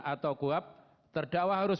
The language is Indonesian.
atau qoap terdakwa harus